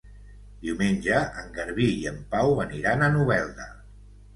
Diumenge en Garbí i en Pau aniran a Novelda.